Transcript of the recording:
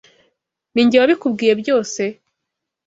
Ninjye wabikubwiye byose ?